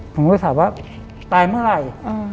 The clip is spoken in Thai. ผมก็เลยถามว่าตายเมื่อไหร่